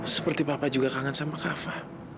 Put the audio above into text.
seperti papa juga kangen sama kava